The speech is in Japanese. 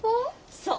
そう。